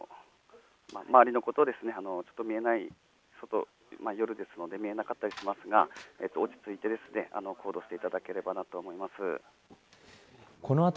周りのことを夜ですので外見えなかったりしますが落ち着いて行動していただければなと思います。